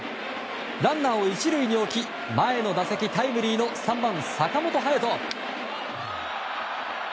ランナーを１塁に置き前の打席タイムリーの３番、坂本勇人。